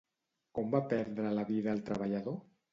Com va perdre la vida el treballador?